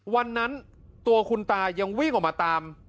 วันนั้นตัวคุณตายังวิ่งออกมาตาม